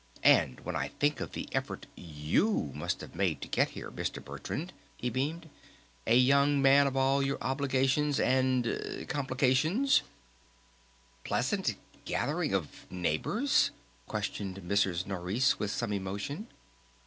And when I think of the effort you must have made to get here, Mr. Bertrand," he beamed. "A young man of all your obligations and complications " "Pleasant ... gathering of neighbors?" questioned Mrs. Nourice with some emotion.